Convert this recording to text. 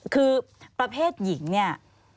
คือประเภทหญิงเนี่ย